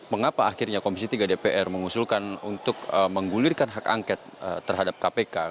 mengapa akhirnya komisi tiga dpr mengusulkan untuk menggulirkan hak angket terhadap kpk